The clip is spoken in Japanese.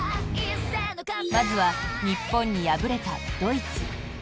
まずは、日本に敗れたドイツ。